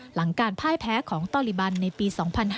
หลังการพ่ายแพ้ของตอลิบันในปี๒๕๕๙